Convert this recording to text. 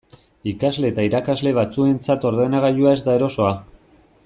Ikasle eta irakasle batzuentzat ordenagailua ez da erosoa.